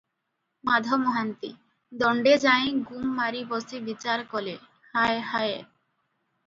ମାଧ ମହାନ୍ତି- ଦଣ୍ଡେଯାଏଁ ଗୁମ ମାରି ବସି ବିଚାର କଲେ- ହାୟ ହାୟ!